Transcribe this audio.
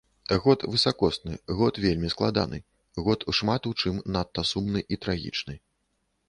Год высакосны, год вельмі складаны, год шмат у чым надта сумны і трагічны.